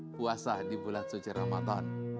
puasa di bulan suci ramadan